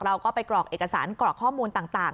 เราก็ไปกรอกเอกสารกรอกข้อมูลต่าง